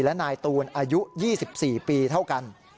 และนายตูนอายุ๒๔ปีเท่ากัน